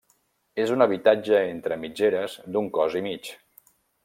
És un habitatge entre mitgeres d'un cos i mig.